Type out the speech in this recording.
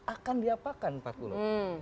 akan diapakan empat pulau